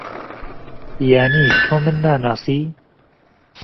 یانی تۆ من ناناسی؟